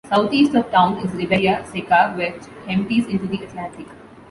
Southeast of town is Ribeira Seca which empties into the Atlantic.